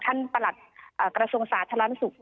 ตอนที่ท่านปลัดกระทรวงสาธารณสุข